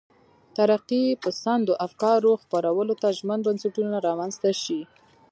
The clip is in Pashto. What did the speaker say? ترقي پسندو افکارو خپرولو ته ژمن بنسټونه رامنځته شي.